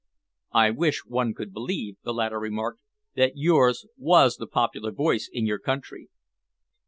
"I wish one could believe," the latter remarked, "that yours was the popular voice in your country."